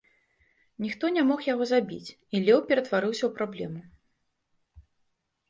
Ніхто не мог яго забіць, і леў ператварыўся ў праблему.